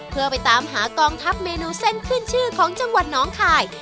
เพื่อไปตามหากองทัพเมนูเส้นขึ้นชื่อของจังหวัดน้องคาย